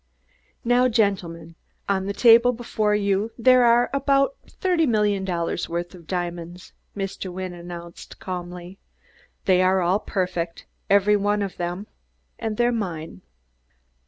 "Now, gentlemen, on the table before you there are about thirty million dollars' worth of diamonds," Mr. Wynne announced calmly. "They are all perfect, every one of them; and they're mine.